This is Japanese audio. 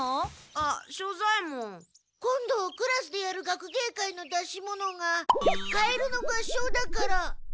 今度クラスでやる学芸会の出し物が「カエルの合唱」だから。